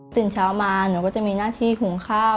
ตื่นเช้ามาหนูก็จะมีหน้าที่หุงข้าว